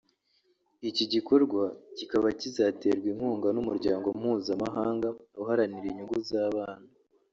Iki gikorwa kibaba kizaterwa inkunga n’Umuryango mpuzamahanga uharanira inyungu z’abana